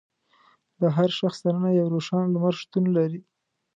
د هر شخص دننه یو روښانه لمر شتون لري.